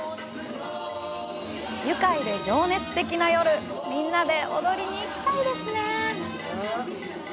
愉快で情熱的な夜、みんなで踊りにいきたいですね！